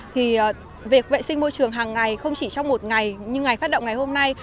thì việc vệ sinh môi trường hàng ngày không chỉ trong một ngày như ngày phát động ngày hôm nay